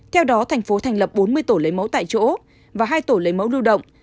theo đó thành phố thành lập bốn mươi tổ lấy mẫu tại chỗ và hai tổ lấy mẫu lưu động